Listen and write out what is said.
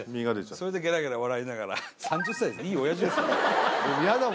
それでゲラゲラ笑いながら３０歳ですよいいオヤジですよ。